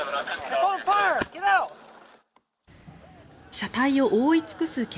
車体を覆い尽くす煙。